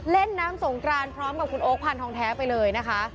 เล่นน้ำสงกรานพร้อมกับคุณโอ๊คพันธองแท้ไปเลยนะคะ